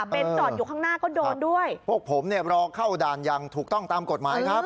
เป็นจอดอยู่ข้างหน้าก็โดนด้วยพวกผมเนี่ยรอเข้าด่านอย่างถูกต้องตามกฎหมายครับ